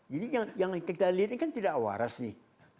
yang kita lihat ini kan tidak waras nih